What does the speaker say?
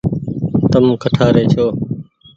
تم ڪٺآري ڇو۔